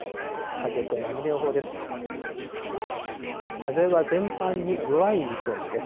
風と波の予報です。